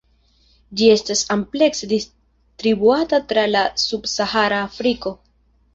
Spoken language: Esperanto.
Ĝi estas amplekse distribuata tra la subsahara Afriko.